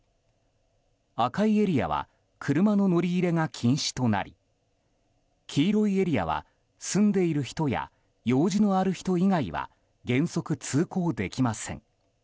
赤いエリアは車の乗り入れが禁止となり黄色いエリアは住んでいる人や用事のある人以外は原則通行できません。